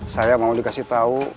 saya mau dikasih tahu